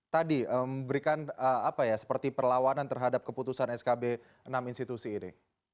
tadi memberikan apa ya seperti perlawanan terhadap keputusan skb enam institusi ini